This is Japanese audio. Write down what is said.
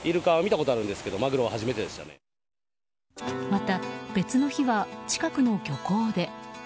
また別の日は近くの漁港で。